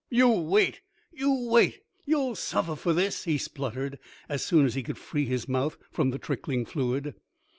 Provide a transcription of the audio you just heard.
"You wait! You wait! You'll suffer for this!" he spluttered, as soon as he could free his mouth from the trickling fluid.